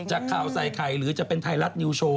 จากข่าวใส่ไข่หรือจะเป็นไทยรัฐนิวโชว